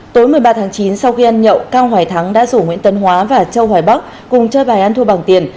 tối một mươi ba tháng chín sau khi ăn nhậu cao hoài thắng đã rủ nguyễn tấn hóa và châu hoài bắc cùng chơi bài ăn thua bằng tiền